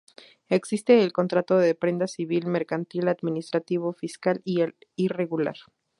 Existe el contrato de prenda civil, mercantil, administrativo, fiscal y el irregular.